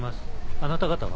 あなた方は？